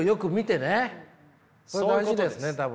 それが大事ですね多分ね。